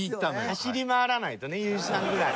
走り回らないとねゆうじさんぐらい。